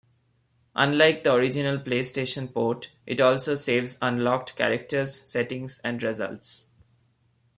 Unlike the original PlayStation port, it also saves unlocked characters, settings and results.